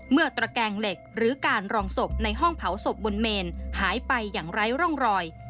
ตระแกงเหล็กหรือการรองศพในห้องเผาศพบนเมนหายไปอย่างไร้ร่องรอย